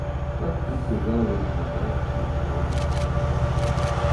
"Tak upływały dnie Blanki w głowie posągu."